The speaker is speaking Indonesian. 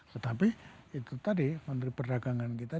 tetapi itu tadi menteri perdagangan kita